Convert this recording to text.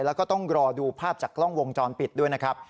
และต้องรอดูภาพกร่องวงจรปิดด้วยนะครับ